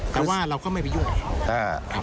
แต่ว่าเราก็ไม่ไปยุ่งกันครับ